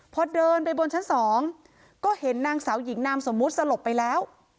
พอเดินไปบนชั้น๒ก็เห็นนางสาวหญิงนามสมมุติสลบไปแล้ว